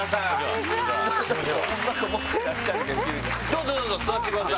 どうぞどうぞ座ってください！